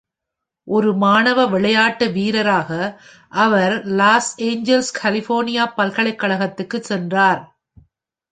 ஒரு மாணவ விளையாட்டு வீரராக அவர் லாஸ் ஏஞ்சல்ஸ் கலிபோர்னியா பல்கலைக்கழகத்துக்குச் சென்றார்.